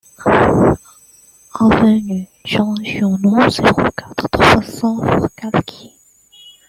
Avenue Jean Giono, zéro quatre, trois cents Forcalquier